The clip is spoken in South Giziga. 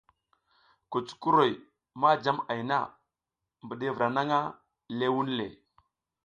Kucukuroy ma jam ay na, mbiɗevra naƞʼha ləh wunle.